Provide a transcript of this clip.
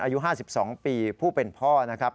อายุ๕๒ปีผู้เป็นพ่อนะครับ